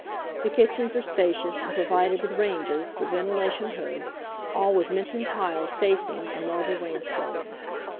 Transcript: The kitchens are spacious, and provided with ranges, with ventilation hoods, all with Minton tiled facing and marble wainscoating.